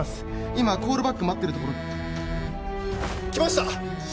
今コールバック待ってるところ来ました！